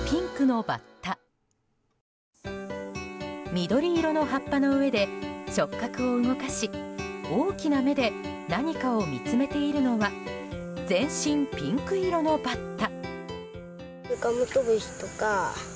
緑色の葉っぱの上で触角を動かし大きな目で何かを見つめているのは全身ピンク色のバッタ。